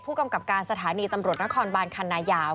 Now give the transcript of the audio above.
กำกับการสถานีตำรวจนครบานคันนายาว